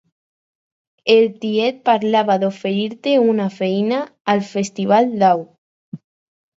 El tiet parlava d'oferir-te una feina al Festival Dau.